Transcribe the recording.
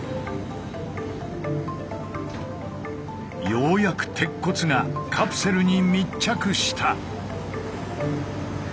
ようやく鉄骨がカプセルに密着した！